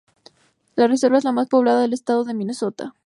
La reserva es la más poblada del estado de Minnesota.